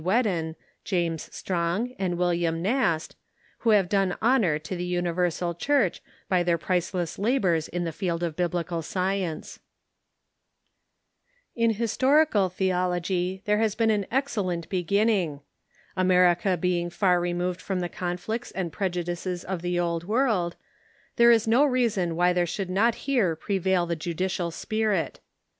Whcdon, James Strong, and William Nast, who have done honor to the universal Church by their ])riceless labors in the field of Biblical science. 634 THE CHURCH IX THE UNITED STATES In Historical Theology there has been an excellent begin ninsr. America being far removed from the conflicts and prejudices of the Old World, there is no reason why there should not here prevail the judicial spirit.